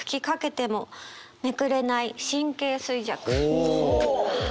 お！